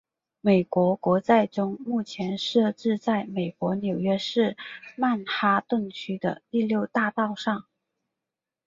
美国国债钟目前设置在美国纽约市曼哈顿区的第六大道上。